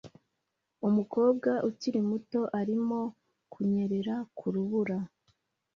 Umukobwa ukiri muto arimo kunyerera ku rubura